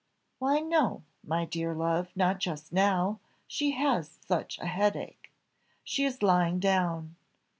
"Why no, my dear love, not just now, she has such a headache! She is lying down.